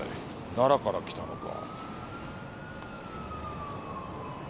奈良から来たのか。